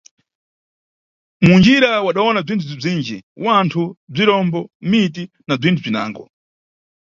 Munjira, wadawona bzinthu bzizinji: wanthu, bzirombo, miti na bzinthu bzinango.